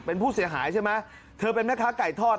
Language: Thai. เป็นผู้เสียหายใช่ไหมเธอเป็นแม่ค้าไก่ทอด